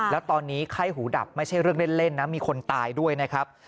แล้วตอนนี้ไข้หูดับไม่ใช่เรื่องเล่นนะมีคนตายด้วยนะครับ